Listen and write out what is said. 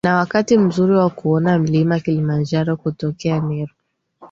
Na wakati mzuri wa kuona mlima Kilimanjaro kutokea Meru